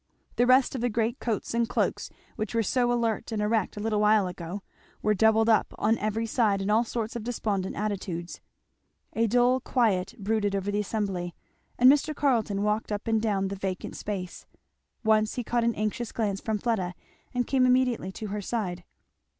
The rest of the great coats and cloaks which were so alert and erect a little while ago were doubled up on every side in all sorts of despondent attitudes. A dull quiet brooded over the assembly; and Mr. Carleton walked up and down the vacant space. Once he caught an anxious glance from Fleda, and came immediately to her side.